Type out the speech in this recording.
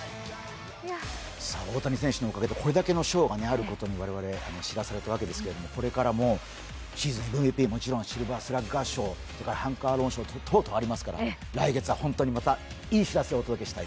大谷選手のおかげでこれだけの賞があることを我々知らされたわけですけど、これからもシーズン通してもちろん、シルバースラッガー賞などなどありますから来月は本当にまたいい知らせをお届けしたい。